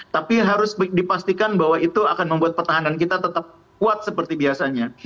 tapi harus dipastikan bahwa itu akan membuat pertahanan kita tetap kuat seperti biasanya